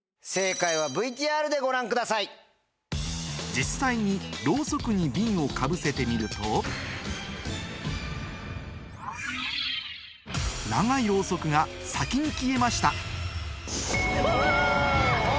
実際にロウソクにビンをかぶせてみると長いロウソクが先に消えましたお！